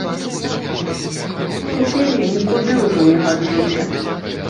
Цяпер я нікуды ўжо не гаджуся.